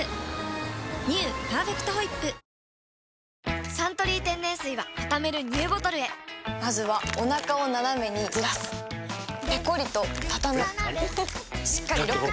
「パーフェクトホイップ」「サントリー天然水」はたためるＮＥＷボトルへまずはおなかをナナメにずらすペコリ！とたたむしっかりロック！